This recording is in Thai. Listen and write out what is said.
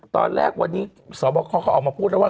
ตอนแรกวันนี้สอบคอเขาออกมาพูดแล้วว่า